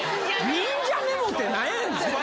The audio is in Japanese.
忍者メモって、なんやねん。